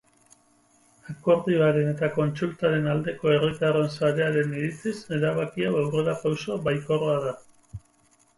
Akordioaren eta kontsultaren aldeko herritarren sarearen iritziz, erabaki hau aurrerapauso baikorra da.